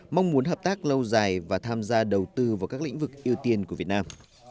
mong muốn hợp tác lâu dài và tham gia đầu tư vào các lĩnh vực ưu tiên của việt nam